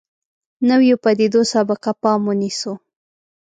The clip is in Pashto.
نویو پدیدو سابقه پام ونیسو.